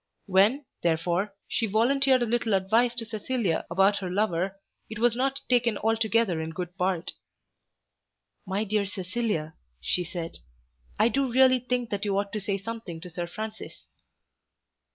When, therefore, she volunteered a little advice to Cecilia about her lover, it was not taken altogether in good part. "My dear Cecilia," she said, "I do really think that you ought to say something to Sir Francis."